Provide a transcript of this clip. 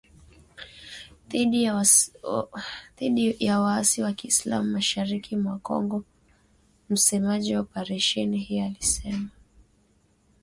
Dhidi ya waasi wa kiislam mashariki mwa Kongo msemaji wa operesheni hiyo alisema